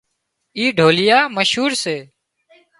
اين ڍوليئا مشهور سي